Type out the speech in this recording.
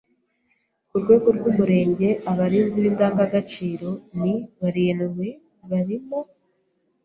Ku rwego rw’Umurenge abarinzi b’indangagaciro ni barindwi; barimo